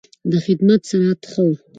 د خدمت سرعت ښه و.